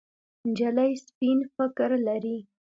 نجلۍ سپين فکر لري.